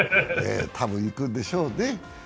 たぶん行くでしょうね。